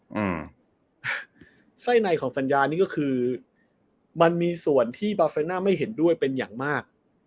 อืมไส้ในของสัญญานี่ก็คือมันมีส่วนที่บาเซน่าไม่เห็นด้วยเป็นอย่างมาก